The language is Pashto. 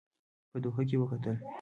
په دوحه کې وکتل.